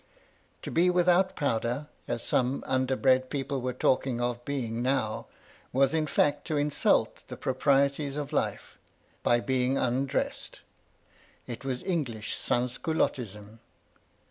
To MY LADY LUDLOW. 45 be without powder, as some underbred people were talking of being now, was in fact to insult the pro prieties of life, by being undressed. It was English sans culottism.